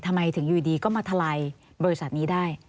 ทำไมถึงอยู่ดีก็มาทลายบริษัทนี้ได้